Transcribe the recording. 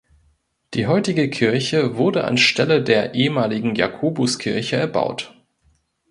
Die heutige Kirche wurde an Stelle der ehemaligen Jakobuskirche erbaut.